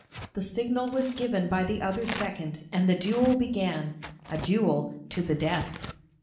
The signal was given by the other second, and the duel began a duel 'to the death.'